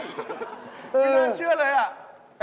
มีเรื่องยังเชื่อเลยล่ะ